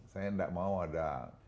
saya tidak mau ada